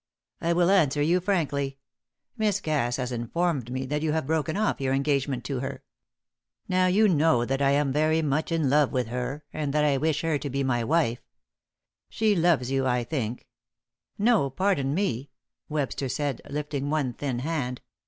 "I will answer you frankly. Miss Cass has informed me that you have broken off your engagement to her. Now, you know that I am very much in love with her, and that I wish her to be my wife. She loves you, I think " "No, pardon me," Webster said, lifting one thin hand.